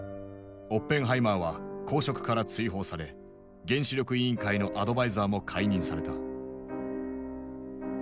オッペンハイマーは公職から追放され原子力委員会のアドバイザーも解任された。